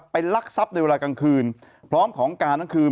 ลักทรัพย์ในเวลากลางคืนพร้อมของกลางทั้งคืน